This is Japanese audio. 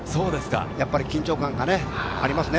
やっぱり緊張感がね、ありますね。